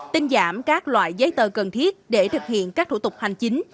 tinh giảm các loại giấy tờ cần thiết để thực hiện các thủ tục hành chính